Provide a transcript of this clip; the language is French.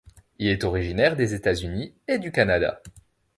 Elle est originaire des États-Unis et du Canada.